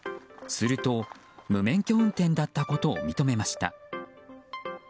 すると、無免許運転だったことを認めました。